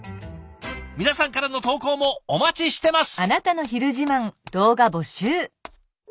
皆さんからの投稿もお待ちしてます！